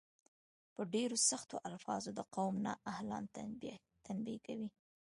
په ډیرو سختو الفاظو د قوم نا اهلان تنبیه کوي.